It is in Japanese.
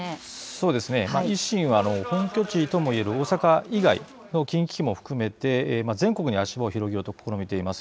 そうですね、維新は本拠地とも言える大阪以外の近畿を含めて全国に足を広げようと試みています。